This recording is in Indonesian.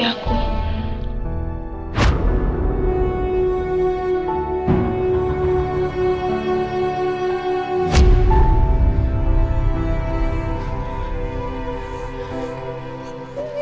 aku mau pergi